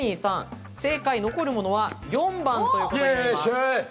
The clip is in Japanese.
正解、残るものは４番ということになります。